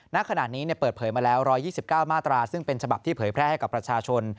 ณขณะนี้เปิดเผยมาแล้ว๑๒๙มาตราซึ่งเป็นฉบับที่เผยแพร่ให้กับประชาชน